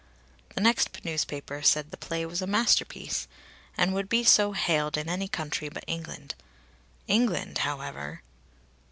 The next newspaper said the play was a masterpiece, and would be so hailed in any country but England. England, however